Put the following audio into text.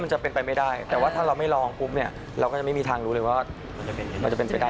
มันเหมือนย้ายบ้านแบบใครเคยไปทั้งชุมชนไหมครับ